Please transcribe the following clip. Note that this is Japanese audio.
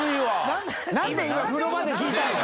燭悩風呂場で聞いたの？